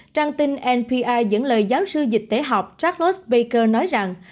trang tin npr dẫn lời giáo sư dịch tế học charles baker nói rằng